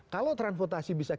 kalau transportasi bisa dikeluarkan